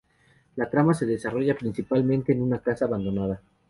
La trama se desarrolla principalmente en una casa abandonada.